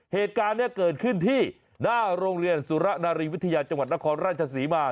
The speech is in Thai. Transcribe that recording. เหตุการณ์นี้เกิดขึ้นที่หน้าโรงเรียนสุรนารีวิทยาจังหวัดนครราชศรีมา